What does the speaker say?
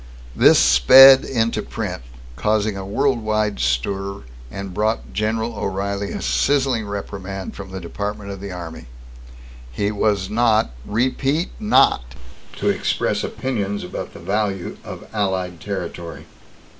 This sped into print, caused a world wide stir, and brought General O'Reilly a sizzling reprimand from the Department of the Army. He was not REPEAT NOT to express opinions about the value of allied territory.